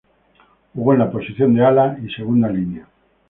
Jugó en la posición de ala y segunda línea.